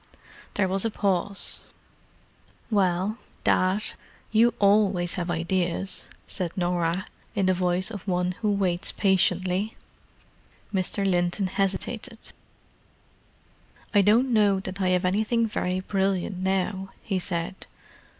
There was a pause. "Well, Dad—you always have ideas," said Norah, in the voice of one who waits patiently. Mr. Linton hesitated. "I don't know that I have anything very brilliant now," he said.